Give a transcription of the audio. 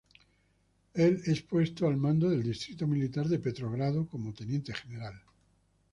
El es puesto al mando del Distrito Militar de Petrogrado como teniente general.